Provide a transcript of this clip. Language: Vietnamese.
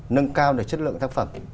nâng cao được chất lượng tác phẩm